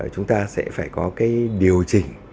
chúng ta sẽ phải có cái điều chỉnh